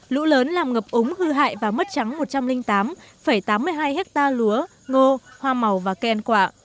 lũ lớn làm ngập úng hư hại và mất trắng một trăm linh tám tám mươi hai hecta lúa ngô hoa màu và kèn quả